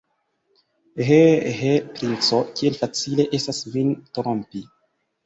He, he, princo, kiel facile estas vin trompi!